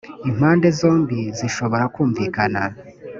impande zombi zishobora kumvikana.